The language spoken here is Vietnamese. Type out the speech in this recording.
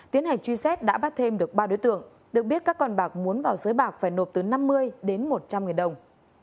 tiến hành truy xét đã bắt thêm được ba đối tượng được biết các con bạc muốn vào giới bạc phải nộp từ năm mươi đến một trăm linh nghìn đồng